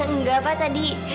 enggak pak tadi